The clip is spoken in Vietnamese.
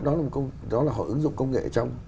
đó là họ ứng dụng công nghệ trong